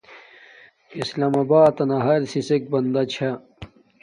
اسلام آباتنا ہر سیشنݣ بندہ چھے